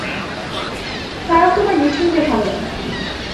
কারন তোমার মিঠুনকে ভালো লাগে।